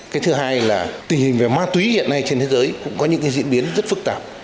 cái thứ hai là tình hình về ma túy hiện nay trên thế giới cũng có những diễn biến rất phức tạp